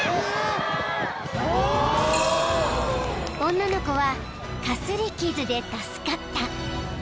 ［女の子はかすり傷で助かった］